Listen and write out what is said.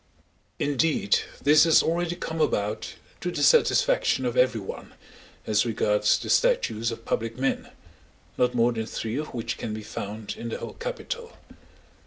Indeed, this has already come about to the satisfaction of every one, as regards the statues of public men—not more than three of which can be found in the whole capital.